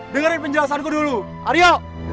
dengerin penjelasanku dulu aryo